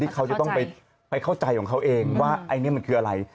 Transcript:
เขาจะต้องไปเข้าใจของเขาเองว่าไอ้นี่มันคืออะไร